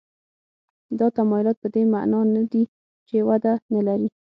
دا تمایلات په دې معنا نه دي چې وده نه لري.